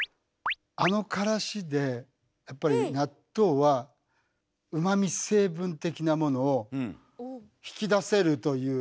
あのからしでやっぱり納豆はうまみ成分的なものを引き出せるという。